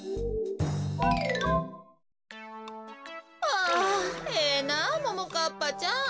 あええなあももかっぱちゃん。